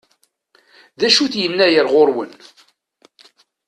D acu-t Yennayer ɣur-wen?